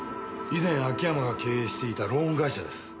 以前秋山が経営していたローン会社です。